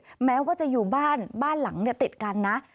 แม้ว่าจะอยู่บ้านบ้านหลังเนี่ยติดกันนะ